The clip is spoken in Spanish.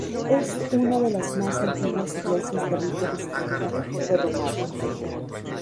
Es una de las más antiguas iglesias de rito bizantino de Rumania.